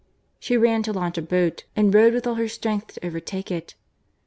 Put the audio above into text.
She ran to launch a boat, and rowed with all her strength to overtake it.